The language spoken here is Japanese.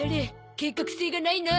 計画性がないなあ。